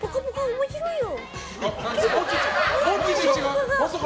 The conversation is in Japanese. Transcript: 面白いよ！